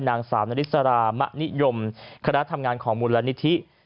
นางสาวนาริสรามะนิยมคณะทำงานของมูลนิธิ